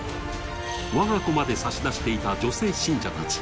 我が子まで差し出していた女性信者たち。